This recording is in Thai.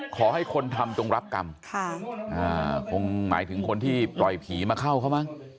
ขอให้คนทำจงรับกรรมคงหมายถึงคนที่ปล่อยผีมาเข้าเขามั้ง